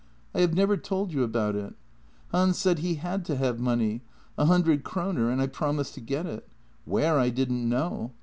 I have never told you about it. Hans said he had to have money — a hundred kroner — and I promised to get it. Where I didn't know.